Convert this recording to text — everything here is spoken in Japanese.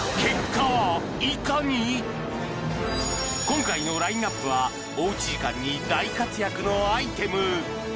今回のラインナップはおうち時間に大活躍のアイテム